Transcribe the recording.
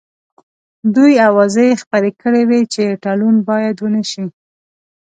دوی اوازې خپرې کړې وې چې تړون باید ونه شي.